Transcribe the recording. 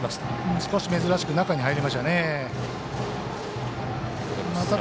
少し珍しく中に入りましたね。